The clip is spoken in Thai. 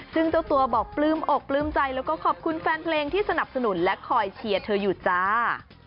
ซึ่งเจ้าตัวบอกปลื้มอกปลื้มใจแล้วก็ขอบคุณแฟนเพลงที่สนับสนุนและคอยเชียร์เธออยู่จ้า